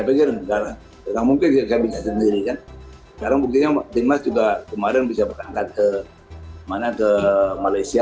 tidak mungkin kita sendiri kan sekarang buktinya juga kemarin bisa berangkat ke mana ke malaysia